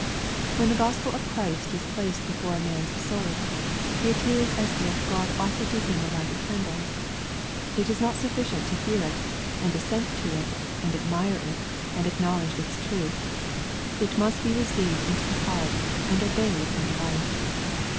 When the Gospel of Christ is placed before a man's soul, it is as if God offered to him a lighted candle. It is not sufiBcient to hear it, and assent to it, and admire it, and acknowledge its truth. It must be received into the heart, and obeyed in the life.